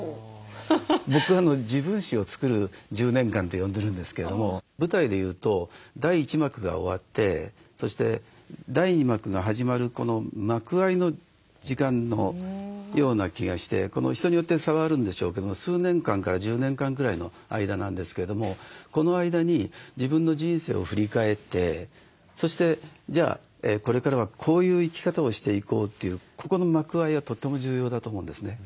僕「自分史を作る１０年間」って呼んでるんですけれども舞台でいうと第１幕が終わってそして第２幕が始まるこの幕間の時間のような気がして人によって差はあるんでしょうけども数年間から１０年間ぐらいの間なんですけれどもこの間に自分の人生を振り返ってそしてこれからはこういう生き方をしていこうというここの幕間はとても重要だと思うんですね。